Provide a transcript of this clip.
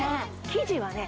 生地はね